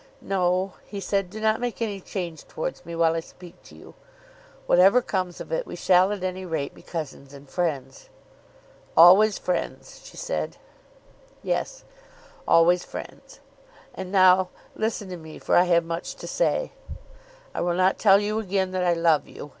"No," he said; "do not make any change towards me while I speak to you. Whatever comes of it we shall at any rate be cousins and friends." "Always friends!" she said. "Yes; always friends. And now listen to me for I have much to say. I will not tell you again that I love you.